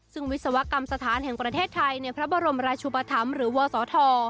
ซึ่งวิศวกรรมสถานแห่งประเทศไทยในพระบรมราชุปธรรมหรือวศธ